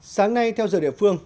sáng nay theo giờ địa phương